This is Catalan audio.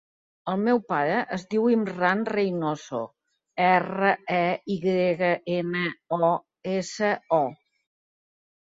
El meu pare es diu Imran Reynoso: erra, e, i grega, ena, o, essa, o.